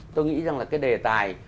tôi nghĩ rằng là cái đề tài